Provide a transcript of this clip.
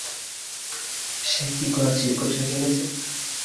সে কি কোনো চিরকুট রেখে গেছে?